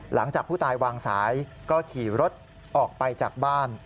หลังจากผู้ตายวางสายก็ขี่รถออกไปจากบ้าน